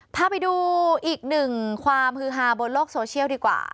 พาไปดูอีกหนึ่งความฮือฮาบนโลกโซเชียลดีกว่า